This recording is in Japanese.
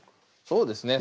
そうですね